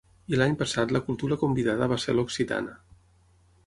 I l'any passat la cultura convidada va ser l'occitana.